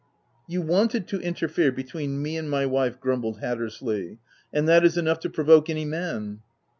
M You wanted to interfere between me and my wife/' grumbled Hattersley, " and that is enough to provoke any man."